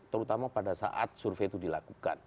terutama pada saat survei itu dilakukan